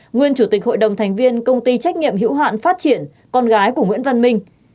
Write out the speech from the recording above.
nguyên chủ tịch hội đồng thành viên công ty trách nhiệm hữu hạn phát triển con gái của nguyễn văn minh